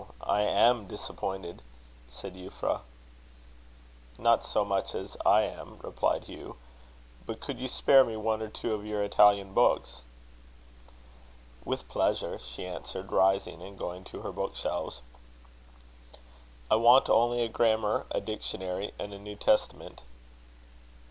I am disappointed," said Euphra. "Not so much as I am," replied Hugh. "But could you spare me one or two of your Italian books?" "With pleasure," she answered, rising and going to her bookshelves. "I want only a grammar, a dictionary, and a New Testament."